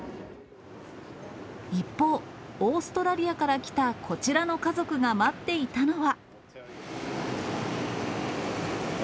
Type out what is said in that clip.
一方、オーストラリアから来たこちらの家族が待っていたのは。